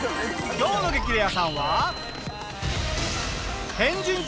今日の『激レアさん』は。